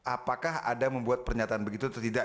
apakah ada membuat pernyataan begitu atau tidak